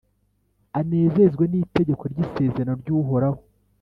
anezezwe n’Itegeko ry’Isezerano ry’Uhoraho.